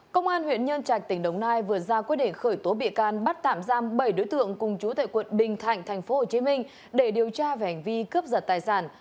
công an huyện nhân trạch tỉnh đồng nai vừa ra quyết định khởi tố bị can bắt tạm giam bảy đối tượng cùng chú tại quận bình thạnh tp hcm để điều tra về hành vi cướp giật tài sản